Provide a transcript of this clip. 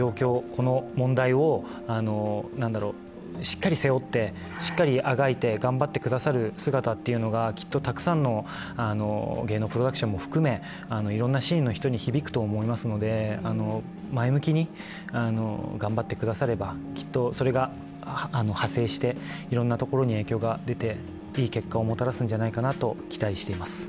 この問題をしっかり背負ってしっかりあがいて頑張ってくださる姿っていうのが、きっとたくさんの芸能プロダクションも含め、いろんなシーンの人に響くと思いますので前向きに頑張ってくださればきっとそれが派生して、いろんなところに影響が出ていい結果をもたらすんじゃないかと期待しています。